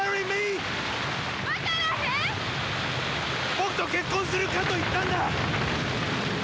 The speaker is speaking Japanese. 僕と結婚するかと言ったんだ！